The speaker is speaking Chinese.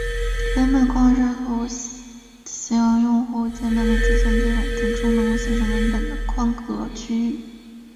文本框是图形用户界面的计算机软件中能够显示文本的框格区域。